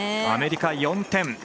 アメリカ、４点。